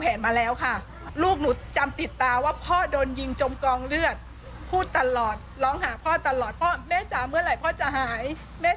ที่มันก็มีเรื่องที่ดิน